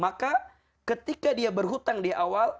maka ketika dia berhutang di awal